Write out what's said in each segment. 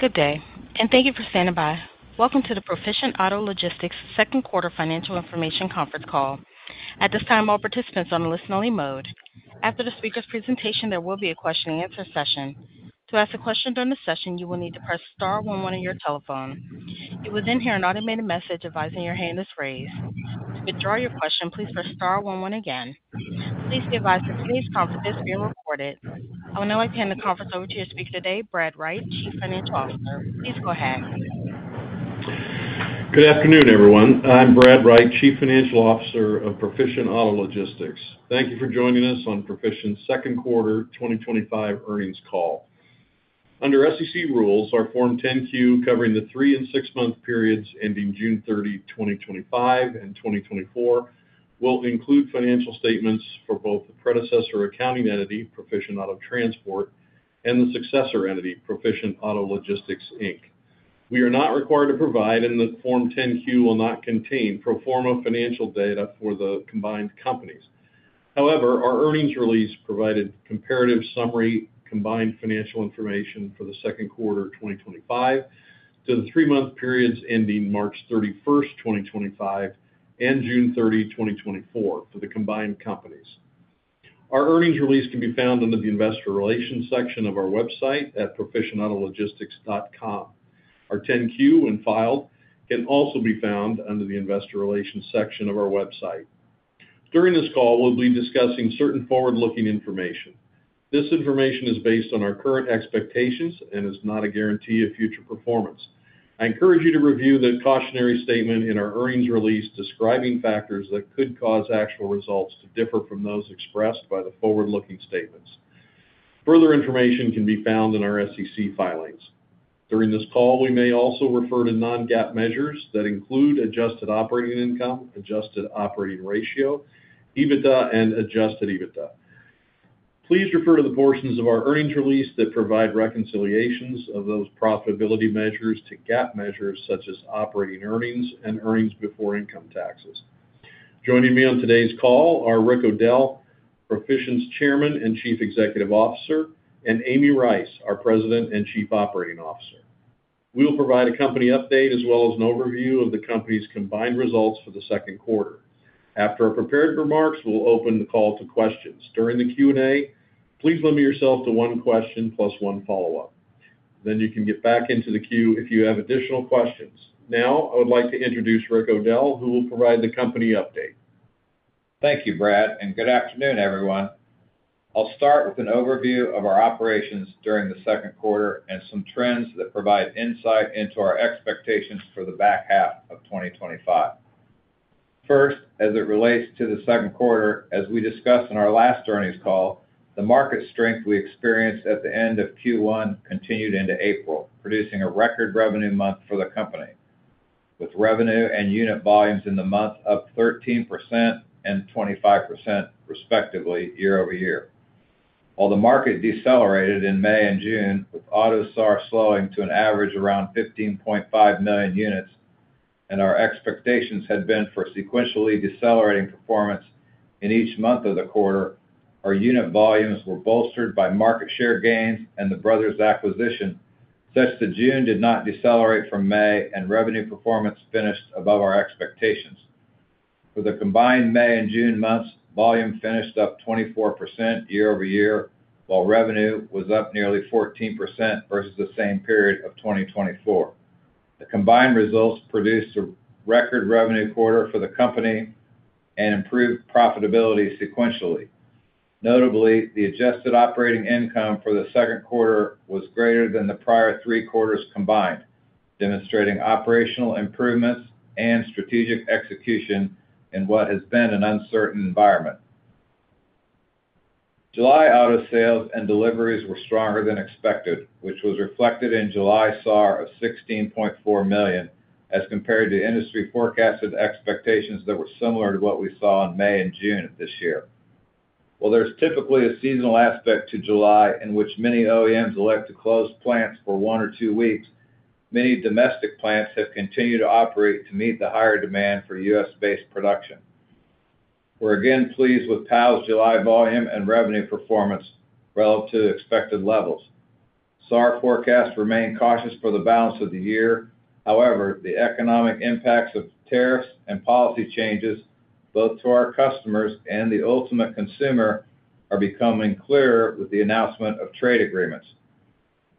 Good day, and thank you for standing by. Welcome to the Proficient Auto Logistics' Second Quarter Financial Information Conference Call. At this time, all participants are in a listen-only mode. After the speaker's presentation, there will be a question-and-answer session. To ask a question during the session, you will need to press star one-one on your telephone. You will then hear an automated message advising your hand is raised. To withdraw your question, please press star one-one again. Please be advised that today's conference is being recorded. I would now like to hand the conference over to your speaker today, Brad Wright, Chief Financial Officer. Please go ahead. Good afternoon, everyone. I'm Brad Wright, Chief Financial Officer of Proficient Auto Logistics. Thank you for joining us on Proficient's Second Quarter 2025 Earnings Call. Under SEC rules, our Form 10-Q, covering the three and six-month periods ending June 30, 2025 and 2024, will include financial statements for both the predecessor accounting entity, Proficient Auto Transport, and the successor entity, Proficient Auto Logistics Inc. We are not required to provide, and the Form 10-Q will not contain, pro forma financial data for the combined companies. However, our earnings release provided comparative summary combined financial information for the second quarter 2025 to the three-month periods ending March 31, 2025, and June 30, 2024, for the combined companies. Our earnings release can be found under the Investor Relations section of our website at proficientautologistics.com. Our 10-Q, when filed, can also be found under the Investor Relations section of our website. During this call, we'll be discussing certain forward-looking information. This information is based on our current expectations and is not a guarantee of future performance. I encourage you to review the cautionary statement in our earnings release describing factors that could cause actual results to differ from those expressed by the forward-looking statements. Further information can be found in our SEC filings. During this call, we may also refer to non-GAAP measures that include adjusted operating income, adjusted operating ratio, EBITDA, and adjusted EBITDA. Please refer to the portions of our earnings release that provide reconciliations of those profitability measures to GAAP measures such as operating earnings and earnings before income taxes. Joining me on today's call are Rick O'Dell, Proficient's Chairman and Chief Executive Officer, and Amy Rice, our President and Chief Operating Officer. We'll provide a company update as well as an overview of the company's combined results for the second quarter. After our prepared remarks, we'll open the call to questions. During the Q&A, please limit yourself to one question plus one follow-up. You can get back into the queue if you have additional questions. Now, I would like to introduce Rick O'Dell, who will provide the company update. Thank you, Brad, and good afternoon, everyone. I'll start with an overview of our operations during the second quarter and some trends that provide insight into our expectations for the back half of 2025. First, as it relates to the second quarter, as we discussed in our last earnings call, the market strength we experienced at the end of Q1 continued into April, producing a record revenue month for the company, with revenue and unit volumes in the month up 13% and 25%, respectively, year-over-year. While the market decelerated in May and June, auto saw a slowing to an average around 15.5 million units, and our expectations had been for sequentially decelerating performance in each month of the quarter, our unit volumes were bolstered by market share gains and the Brothers Auto Transport acquisition, such that June did not decelerate from May and revenue performance finished above our expectations. For the combined May and June months, volume finished up 24% year over year, while revenue was up nearly 14% versus the same period of 2024. The combined results produced a record revenue quarter for the company and improved profitability sequentially. Notably, the adjusted operating income for the second quarter was greater than the prior three quarters combined, demonstrating operational improvements and strategic execution in what has been an uncertain environment. July auto sales and deliveries were stronger than expected, which was reflected in July SAR of 16.4 million as compared to industry forecasted expectations that were similar to what we saw in May and June of this year. While there's typically a seasonal aspect to July in which many OEMs elect to close plants for one or two weeks, many domestic plants have continued to operate to meet the higher demand for U.S.-based production. We're again pleased with Proficient Auto Logistics' July volume and revenue performance relative to expected levels. SAR forecasts remain cautious for the balance of the year. However, the economic impacts of tariffs and policy changes, both to our customers and the ultimate consumer, are becoming clearer with the announcement of trade agreements.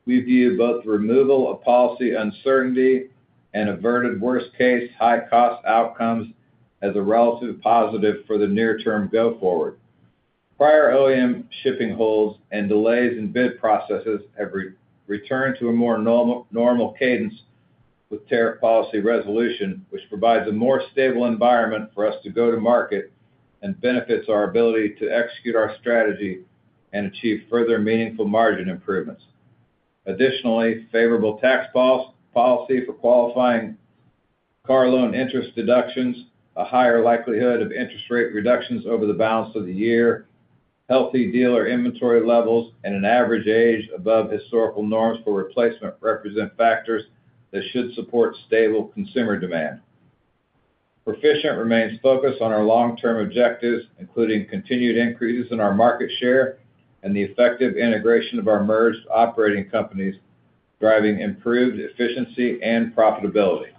We view both the removal of policy uncertainty and averted worst-case high-cost outcomes as a relative positive for the near-term go-forward. Prior OEM shipping holds and delays in bid processes have returned to a more normal cadence with tariff policy resolution, which provides a more stable environment for us to go to market and benefits our ability to execute our strategy and achieve further meaningful margin improvements. Additionally, favorable tax policy for qualifying car loan interest deductions, a higher likelihood of interest rate reductions over the balance of the year, healthy dealer inventory levels, and an average age above historical norms for replacement represent factors that should support stable consumer demand. Proficient Auto Logistics remains focused on our long-term objectives, including continued increases in our market share and the effective integration of our merged operating companies, driving improved efficiency and profitability.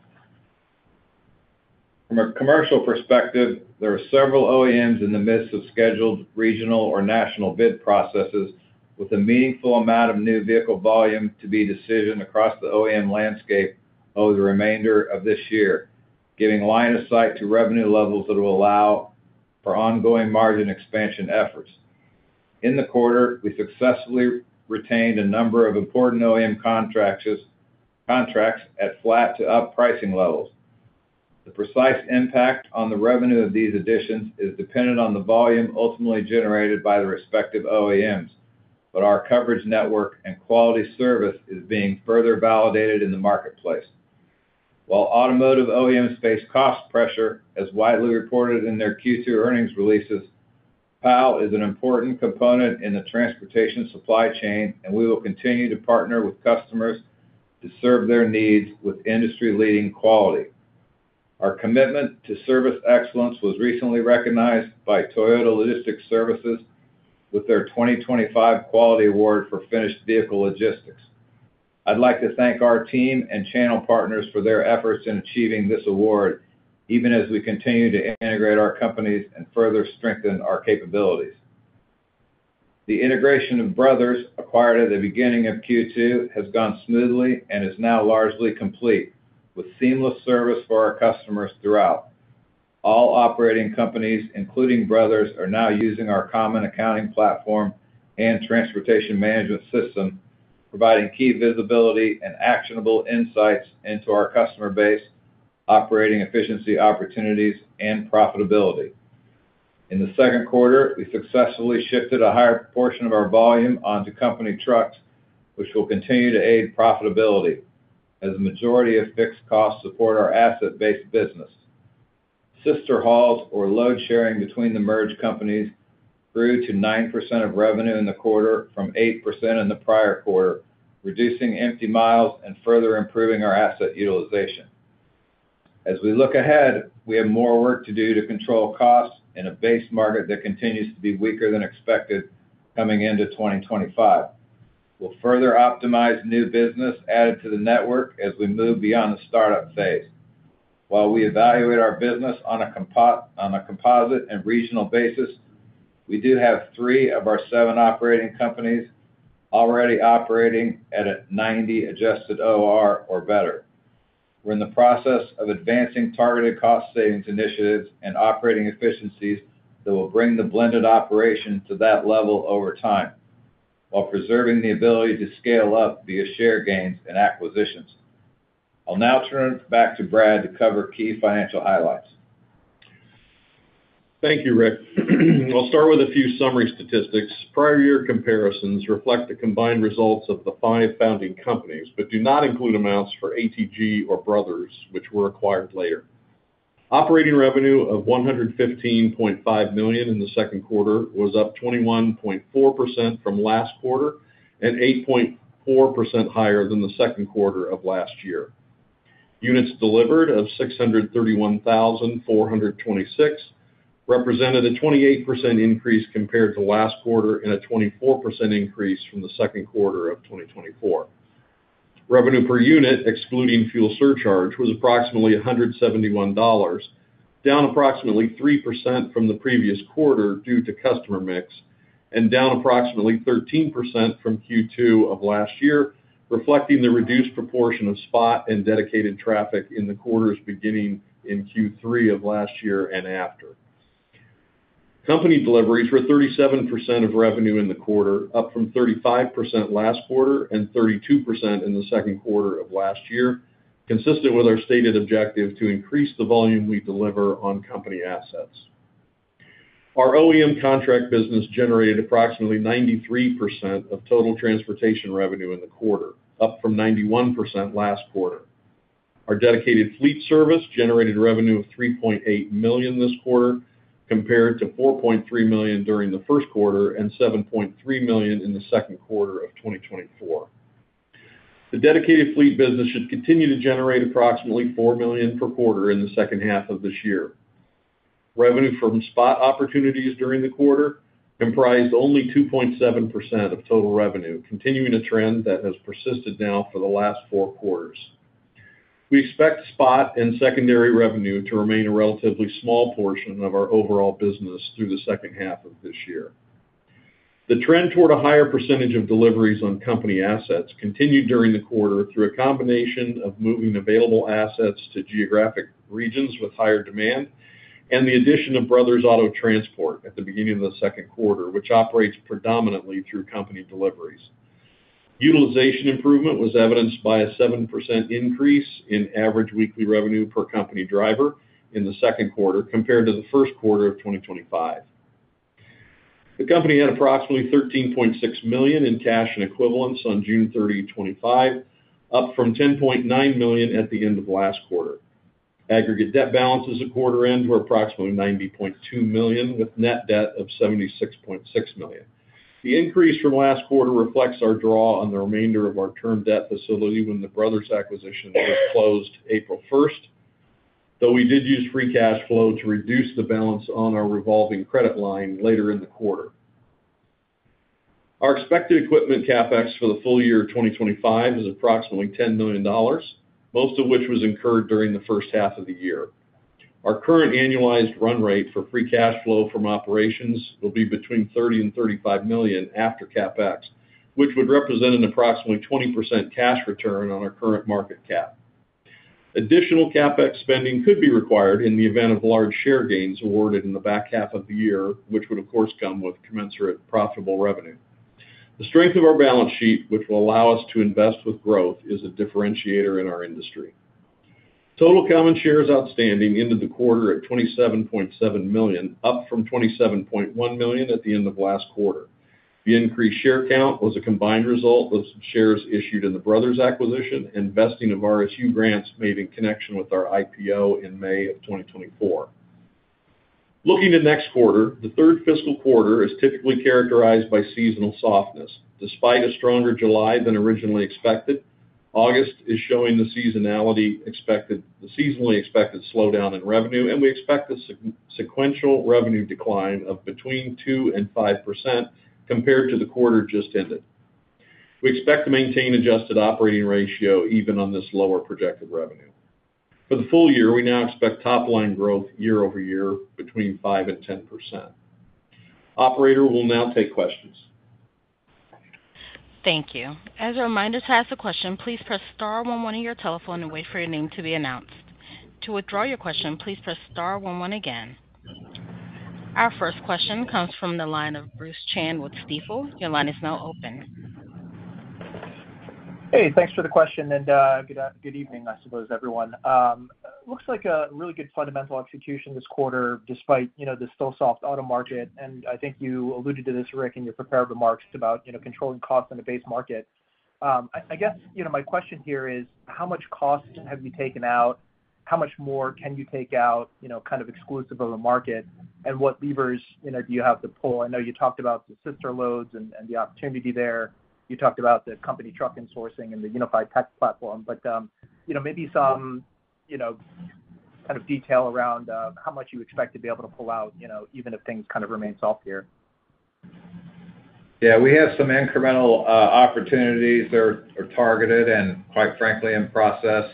From a commercial perspective, there are several OEMs in the midst of scheduled regional or national bid processes, with a meaningful amount of new vehicle volume to be decisioned across the OEM landscape over the remainder of this year, giving line of sight to revenue levels that will allow for ongoing margin expansion efforts. In the quarter, we successfully retained a number of important OEM contracts at flat to up pricing levels. The precise impact on the revenue of these additions is dependent on the volume ultimately generated by the respective OEMs, but our coverage network and quality service is being further validated in the marketplace. While automotive OEMs face cost pressure, as widely reported in their Q2 earnings releases, Proficient Auto Logistics is an important component in the transportation supply chain, and we will continue to partner with customers to serve their needs with industry-leading quality. Our commitment to service excellence was recently recognized by Toyota Logistics Services with their 2025 Quality Award for finished vehicle logistics. I'd like to thank our team and channel partners for their efforts in achieving this award, even as we continue to integrate our companies and further strengthen our capabilities. The integration of Brothers Auto Transport, acquired at the beginning of Q2, has gone smoothly and is now largely complete, with seamless service for our customers throughout. All operating companies, including Brothers Auto Transport, are now using our common accounting platform and transportation management system, providing key visibility and actionable insights into our customer base, operating efficiency opportunities, and profitability. In the second quarter, we successfully shifted a higher portion of our volume onto company trucks, which will continue to aid profitability, as a majority of fixed costs support our asset-based business. Sister hauls, or load-sharing between the merged companies, grew to 9% of revenue in the quarter from 8% in the prior quarter, reducing empty miles and further improving our asset utilization. As we look ahead, we have more work to do to control costs in a base market that continues to be weaker than expected coming into 2025. We'll further optimize new business added to the network as we move beyond the startup phase. While we evaluate our business on a composite and regional basis, we do have three of our seven operating companies already operating at a 90 blended adjusted operating ratio or better. We're in the process of advancing targeted cost savings initiatives and operating efficiencies that will bring the blended operation to that level over time, while preserving the ability to scale up via share gains and acquisitions. I'll now turn it back to Brad to cover key financial highlights. Thank you, Rick. I'll start with a few summary statistics. Prior year comparisons reflect the combined results of the five founding companies, but do not include amounts for Auto Transport Group or Brothers Auto Transport, which were acquired later. Operating revenue of $115.5 million in the second quarter was up 21.4% from last quarter and 8.4% higher than the second quarter of last year. Units delivered of 631,426 represented a 28% increase compared to last quarter and a 24% increase from the second quarter of 2024. Revenue per unit, excluding fuel surcharge, was approximately $171, down approximately 3% from the previous quarter due to customer mix, and down approximately 13% from Q2 of last year, reflecting the reduced proportion of spot and dedicated traffic in the quarters beginning in Q3 of last year and after. Company deliveries were 37% of revenue in the quarter, up from 35% last quarter and 32% in the second quarter of last year, consistent with our stated objective to increase the volume we deliver on company assets. Our OEM contract business generated approximately 93% of total transportation revenue in the quarter, up from 91% last quarter. Our dedicated fleet service generated revenue of $3.8 million this quarter, compared to $4.3 million during the first quarter and $7.3 million in the second quarter of 2024. The dedicated fleet business has continued to generate approximately $4 million per quarter in the second half of this year. Revenue from spot opportunities during the quarter comprised only 2.7% of total revenue, continuing a trend that has persisted now for the last four quarters. We expect spot and secondary revenue to remain a relatively small portion of our overall business through the second half of this year. The trend toward a higher percentage of deliveries on company assets continued during the quarter through a combination of moving available assets to geographic regions with higher demand and the addition of Brothers Auto Transport at the beginning of the second quarter, which operates predominantly through company deliveries. Utilization improvement was evidenced by a 7% increase in average weekly revenue per company driver in the second quarter compared to the first quarter of 2025. The company had approximately $13.6 million in cash and equivalents on June 30, 2025, up from $10.9 million at the end of last quarter. Aggregate debt balances at quarter end were approximately $90.2 million, with net debt of $76.6 million. The increase from last quarter reflects our draw on the remainder of our term debt facility when the Brothers Auto Transport acquisition was closed April 1st, though we did use free cash flow to reduce the balance on our revolving credit line later in the quarter. Our expected equipment CapEx for the full year of 2025 is approximately $10 million, most of which was incurred during the first half of the year. Our current annualized run rate for free cash flow from operations will be between $30 million-$35 million after CapEx, which would represent an approximately 20% cash return on our current market capitalization. Additional CapEx spending could be required in the event of large share gains awarded in the back half of the year, which would, of course, come with commensurate profitable revenue. The strength of our balance sheet, which will allow us to invest with growth, is a differentiator in our industry. Total common shares outstanding ended the quarter at 27.7 million, up from 27.1 million at the end of last quarter. The increased share count was a combined result of shares issued in the Brothers Auto Transport acquisition and vesting of RSU grants made in connection with our IPO in May of 2024. Looking to next quarter, the third fiscal quarter is typically characterized by seasonal softness. Despite a stronger July than originally expected, August is showing the seasonally expected slowdown in revenue, and we expect a sequential revenue decline of between 2%-5% compared to the quarter just ended. We expect to maintain adjusted operating ratio even on this lower projected revenue. For the full year, we now expect top line growth year over year between 5%-10%. Operator will now take questions. Thank you. As a reminder, to ask a question, please press star one-one on your telephone and wait for your name to be announced. To withdraw your question, please press star one-one again. Our first question comes from the line of Bruce Chan with Stifel. Your line is now open. Hey, thanks for the question and good evening, I suppose, everyone. Looks like a really good fundamental execution this quarter despite this still soft auto market. I think you alluded to this, Rick, in your prepared remarks about controlling costs in a base market. My question here is how much cost have you taken out? How much more can you take out, kind of exclusive of the market? What levers do you have to pull? I know you talked about the sister loads and the opportunity there. You talked about the company truck insourcing and the unified tech platform, but maybe some detail around how much you expect to be able to pull out, even if things kind of remain soft here. Yeah, we have some incremental opportunities that are targeted and, quite frankly, in process.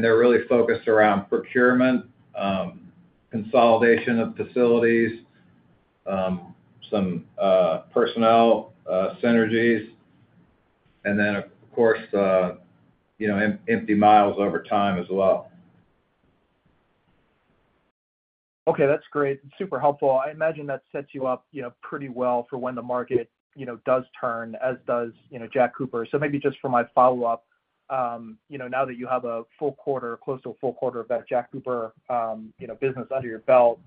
They're really focused around procurement, consolidation of facilities, some personnel synergies, and then, of course, you know, empty miles over time as well. Okay, that's great. Super helpful. I imagine that sets you up pretty well for when the market does turn, as does Jack Cooper. Maybe just for my follow-up, now that you have a full quarter, close to a full quarter of that Jack Cooper business under your belt,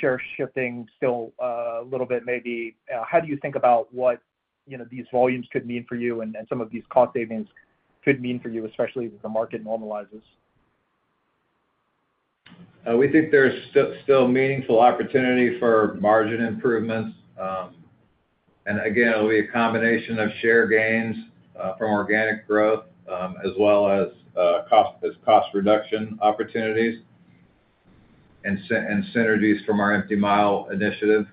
share shifting still a little bit maybe. How do you think about what these volumes could mean for you and some of these cost savings could mean for you, especially as the market normalizes? We think there's still meaningful opportunity for margin improvements. It'll be a combination of share gains from organic growth, as well as cost reduction opportunities and synergies from our empty mile initiative.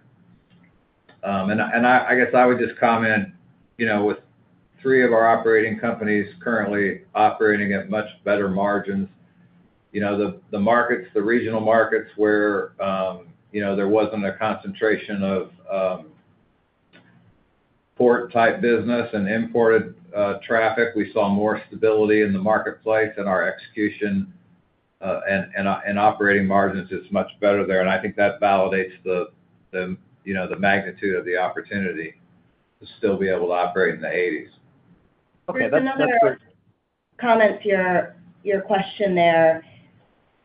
With three of our operating companies currently operating at much better margins, the regional markets where there wasn't a concentration of port type business and imported traffic, we saw more stability in the marketplace and our execution and operating margins is much better there. I think that validates the magnitude of the opportunity to still be able to operate in the 80s. Okay, another comment here, your question there.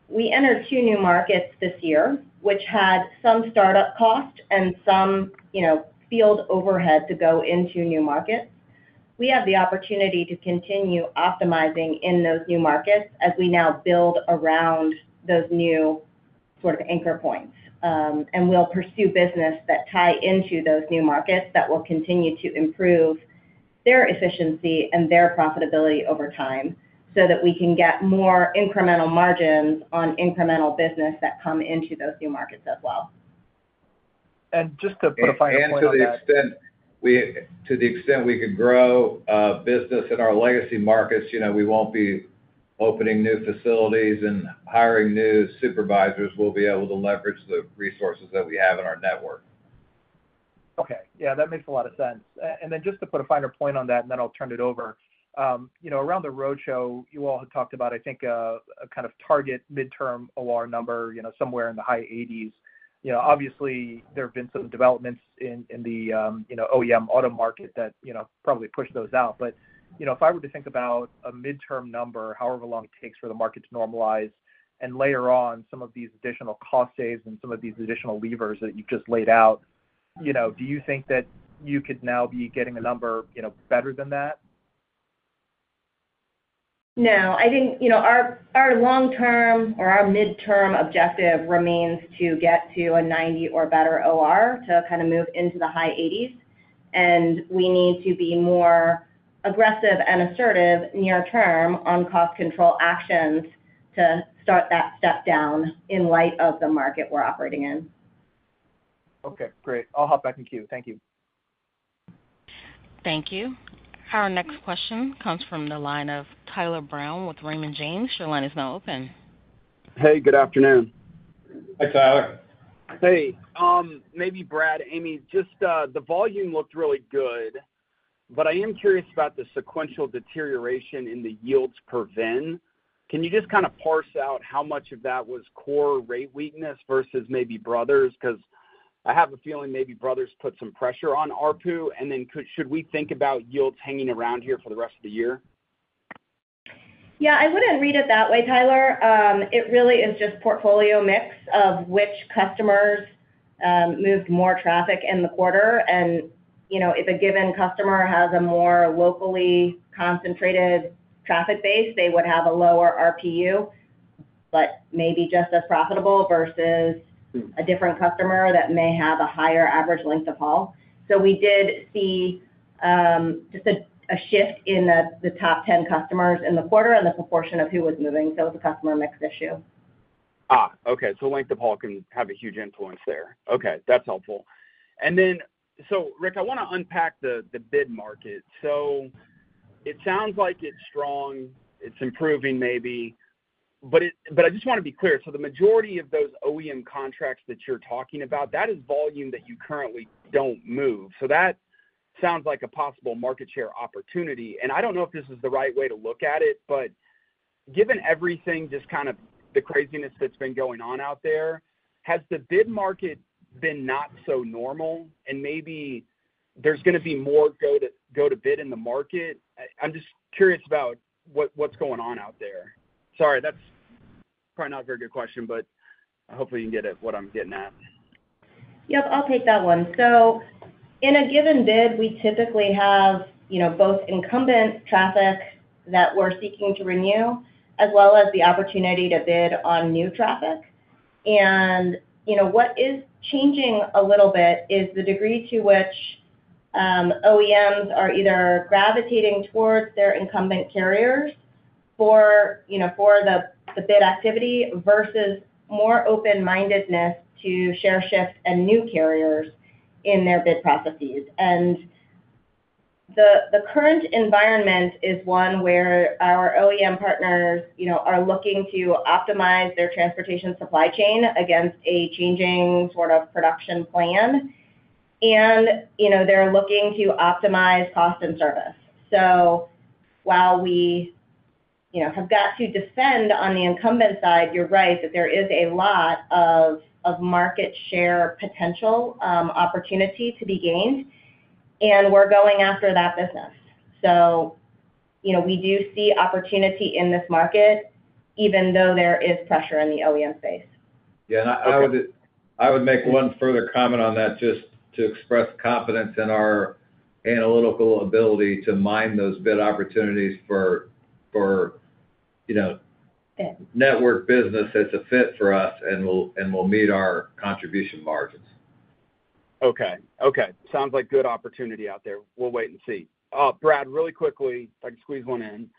We entered two new markets this year, which had some startup cost and some field overhead to go into new markets. We have the opportunity to continue optimizing in those new markets as we now build around those new sort of anchor points. We'll pursue business that tie into those new markets that will continue to improve their efficiency and their profitability over time so that we can get more incremental margins on incremental business that come into those new markets as well. To clarify, to the extent we could grow business in our legacy markets, we won't be opening new facilities and hiring new supervisors. We'll be able to leverage the resources that we have in our network. Okay, yeah, that makes a lot of sense. Just to put a finer point on that, I'll turn it over. Around the roadshow, you all have talked about, I think, a kind of target midterm OR number, somewhere in the high 80s. Obviously, there have been some developments in the OEM auto market that probably push those out. If I were to think about a midterm number, however long it takes for the market to normalize, and layer on some of these additional cost saves and some of these additional levers that you've just laid out, do you think that you could now be getting a number better than that? I think our long-term or our midterm objective remains to get to a 90 or better OR to kind of move into the high 80s. We need to be more aggressive and assertive near term on cost control actions to start that step down in light of the market we're operating in. Okay, great. I'll hop back in queue. Thank you. Thank you. Our next question comes from the line of Tyler Brown with Raymond James. Your line is now open. Hey, good afternoon. Hi, Tyler. Hey, maybe Brad, Amy, the volume looked really good. I am curious about the sequential deterioration in the yields per VIN. Can you just kind of parse out how much of that was core rate weakness versus maybe Brothers? I have a feeling maybe Brothers put some pressure on ARPU. Should we think about yields hanging around here for the rest of the year? Yeah, I wouldn't read it that way, Tyler. It really is just a portfolio mix of which customers moved more traffic in the quarter. If a given customer has a more locally concentrated traffic base, they would have a lower RPU, but maybe just as profitable versus a different customer that may have a higher average length of haul. We did see just a shift in the top 10 customers in the quarter and the proportion of who was moving. It was a customer mix issue. Okay. Length of haul can have a huge influence there. That's helpful. Rick, I want to unpack the bid market. It sounds like it's strong. It's improving maybe. I just want to be clear. The majority of those OEM contracts that you're talking about, that is volume that you currently don't move. That sounds like a possible market share opportunity. I don't know if this is the right way to look at it, but given everything, just kind of the craziness that's been going on out there, has the bid market been not so normal? Maybe there's going to be more go to bid in the market? I'm just curious about what's going on out there. Sorry, that's probably not a very good question, but hopefully you can get at what I'm getting at. I'll take that one. In a given bid, we typically have both incumbent traffic that we're seeking to renew, as well as the opportunity to bid on new traffic. What is changing a little bit is the degree to which OEMs are either gravitating towards their incumbent carriers for the bid activity versus more open-mindedness to share shift and new carriers in their bid processes. The current environment is one where our OEM partners are looking to optimize their transportation supply chain against a changing sort of production plan. They're looking to optimize cost and service. While we have got to defend on the incumbent side, you're right that there is a lot of market share potential opportunity to be gained. We're going after that business. We do see opportunity in this market, even though there is pressure in the OEM space. I would make one further comment on that just to express confidence in our analytical ability to mine those bid opportunities for network business. It's a fit for us and will meet our contribution margins. Okay, okay. Sounds like good opportunity out there. We'll wait and see. Brad, really quickly, if I can squeeze one in.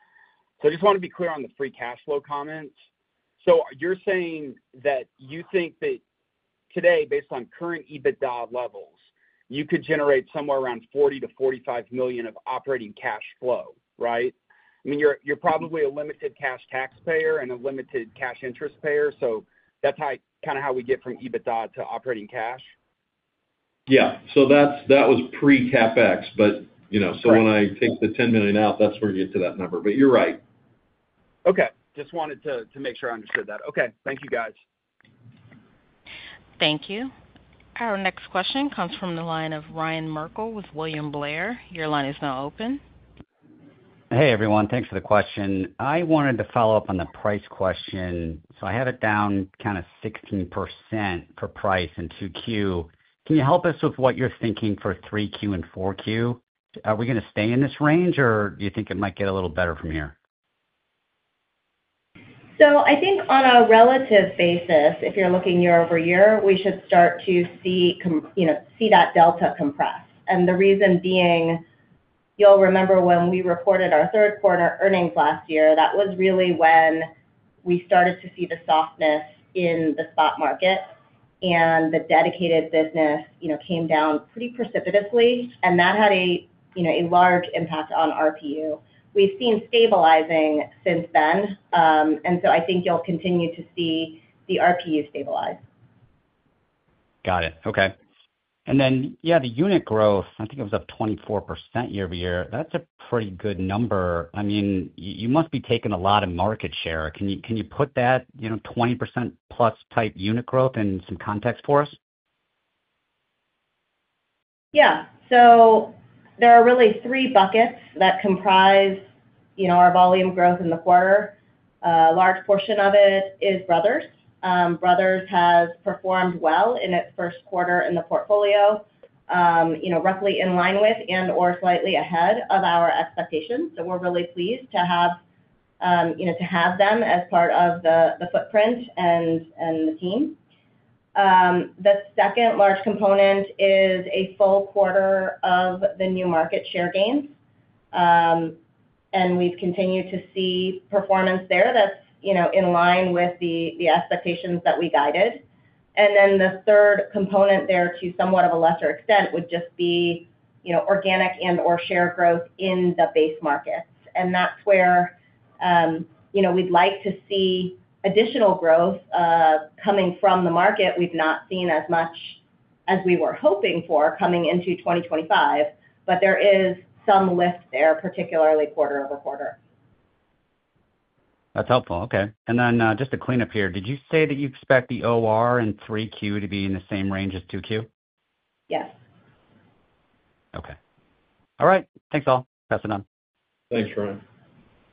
I just want to be clear on the free cash flow comments. You're saying that you think that today, based on current EBITDA levels, you could generate somewhere around $40 million-$45 million of operating cash flow, right? I mean, you're probably a limited cash taxpayer and a limited cash interest payer. That's kind of how we get from EBITDA to operating cash. Yeah, that was pre-CapEx. When I take the $10 million out, that's where you get to that number. You're right. Okay, just wanted to make sure I understood that. Okay, thank you guys. Thank you. Our next question comes from the line of Ryan Merkel with William Blair. Your line is now open. Hey everyone, thanks for the question. I wanted to follow up on the price question. I have it down kind of 16% per price in Q2. Can you help us with what you're thinking for Q3 and Q4? Are we going to stay in this range or do you think it might get a little better from here? I think on a relative basis, if you're looking year over year, we should start to see that delta compress. The reason being, you'll remember when we reported our third quarter earnings last year, that was really when we started to see the softness in the spot market. The dedicated business came down pretty precipitously, and that had a large impact on RPU. We've seen stabilizing since then, and I think you'll continue to see the RPU stabilize. Got it. Okay. The unit growth, I think it was up 24% year over year. That's a pretty good number. You must be taking a lot of market share. Can you put that, you know, 20%+ type unit growth in some context for us? Yeah, so there are really three buckets that comprise our volume growth in the quarter. A large portion of it is Brothers. Brothers has performed well in its first quarter in the portfolio, roughly in line with and/or slightly ahead of our expectations. We're really pleased to have them as part of the footprint and the team. The second large component is a full quarter of the new market share gains. We've continued to see performance there that's in line with the expectations that we guided. The third component, to somewhat of a lesser extent, would just be organic and/or share growth in the base markets. That's where we'd like to see additional growth coming from the market. We've not seen as much as we were hoping for coming into 2025. There is some lift there, particularly quarter over quarter. That's helpful. Okay. Did you say that you expect the OR in 3Q to be in the same range as 2Q? Yes. Okay. All right. Thanks all. Pass it on. Thanks, Ryan.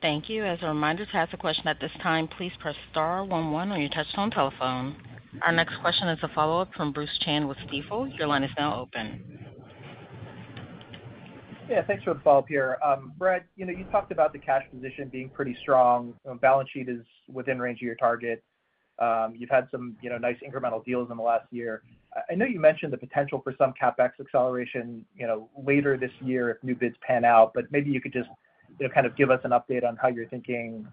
Thank you. As a reminder, to ask a question at this time, please press star one-one on your touch-tone telephone. Our next question is a follow-up from Bruce Chan with Stifel. Your line is now open. Yeah, thanks for the follow-up here. Brad, you talked about the cash position being pretty strong. Balance sheet is within range of your target. You've had some nice incremental deals in the last year. I know you mentioned the potential for some CapEx acceleration later this year if new bids pan out, but maybe you could just give us an update on how you're thinking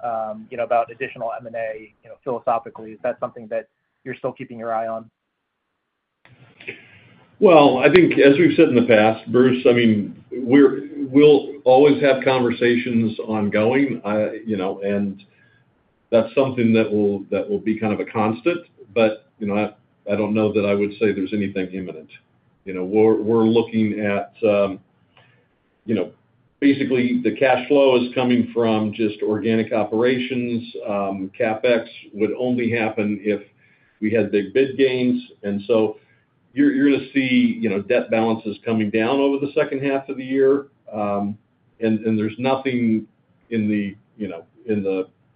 about additional M&A philosophically. Is that something that you're still keeping your eye on? I think, as we've said in the past, Bruce, we'll always have conversations ongoing, and that's something that will be kind of a constant. I don't know that I would say there's anything imminent. We're looking at basically the cash flow coming from just organic operations. CapEx would only happen if we had big bid gains. You're going to see debt balances coming down over the second half of the year. There's nothing in the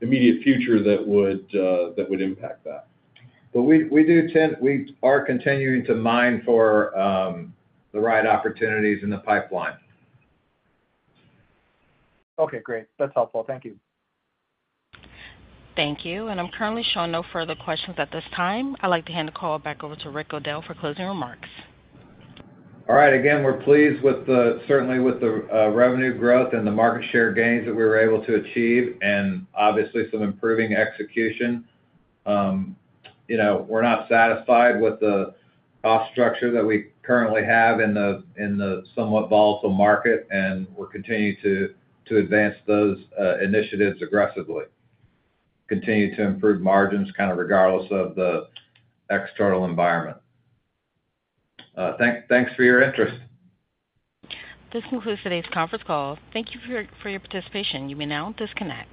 immediate future that would impact that. We are continuing to mine for the right opportunities in the pipeline. Okay, great. That's helpful. Thank you. Thank you. I'm currently showing no further questions at this time. I'd like to hand the call back over to Rick O'Dell for closing remarks. All right. Again, we're pleased with the, certainly with the revenue growth and the market share gains that we were able to achieve, and obviously some improving execution. We're not satisfied with the cost structure that we currently have in the somewhat volatile market, and we're continuing to advance those initiatives aggressively. Continue to improve margins kind of regardless of the external environment. Thanks for your interest. This concludes today's conference call. Thank you for your participation. You may now disconnect.